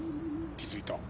気づいた。